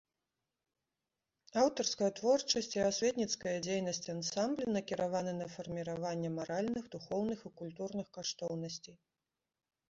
Аўтарская творчасць і асветніцкая дзейнасць ансамбля накіраваны на фарміраванне маральных, духоўных і культурных каштоўнасцей.